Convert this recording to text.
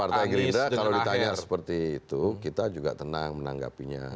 partai gerindra kalau ditanya seperti itu kita juga tenang menanggapinya